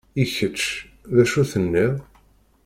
I kečč d acu tenniḍ?